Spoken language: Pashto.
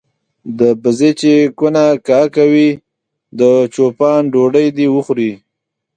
د بزې چې کونه کا کوي د چو پان ډوډۍ دي وخوري.